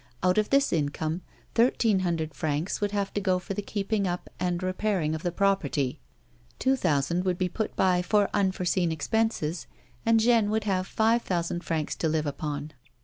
Out of this income thirteen hundred francs would have to go for the keeping up and repairing of the property ; two thousand would be put by for unforeseen expenses and Jeanne would have five thousand francs to live upon.